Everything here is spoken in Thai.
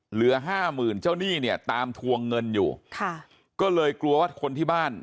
เหลือห้าหมื่นเจ้าหนี้เนี่ยตามทวงเงินอยู่ค่ะก็เลยกลัวว่าคนที่บ้าน